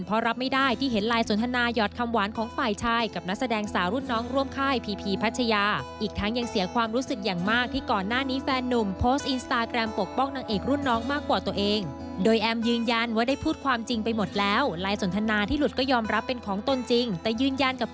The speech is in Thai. พี่ทีแจ้งมาทั้งหมดนั้นเป็นเรื่องจริงค่ะ